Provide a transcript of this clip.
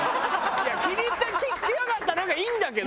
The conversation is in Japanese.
いや気に入って来やがったながいいんだけど。